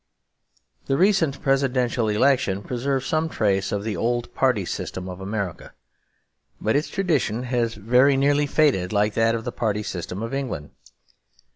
The recent Presidential election preserved some trace of the old Party System of America; but its tradition has very nearly faded like that of the Party System of England.